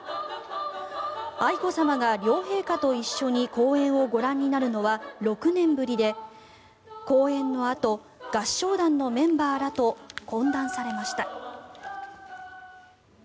愛子さまが両陛下と一緒に公演をご覧になるのは６年ぶりで公演のあと合唱団のメンバーらと懇談されました。